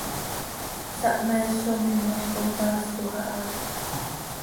Sahmees zo minol consaaspoj aha.